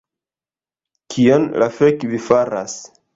Kion la fek' vi faras